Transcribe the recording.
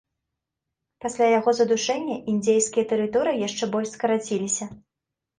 Пасля яго задушэння індзейскія тэрыторыі яшчэ больш скараціліся.